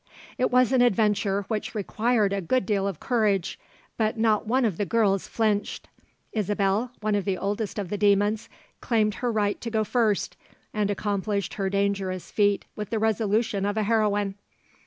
It was an adventure which required a good deal of courage, but not one of the girls flinched. Isabelle, one of the oldest of the demons, claimed her right to go first, and accomplished her dangerous feat with the resolution of a heroine.